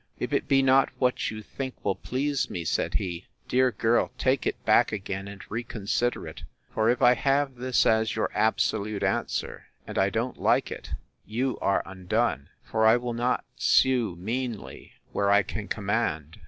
If it be not what you think will please me, said he, dear girl, take it back again, and reconsider it; for if I have this as your absolute answer, and I don't like it, you are undone; for I will not sue meanly, where I can command.